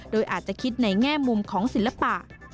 โดยอาจจะคิดในแง่มุมของศิลปะ